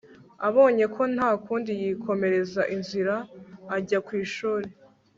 abonye ko ntakundi yikomereza inzira ajya kwishuri